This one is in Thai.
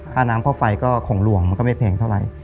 ค่าน้ำค่าไฟก็ของหลวงมันก็ไม่แพงเท่าไหร่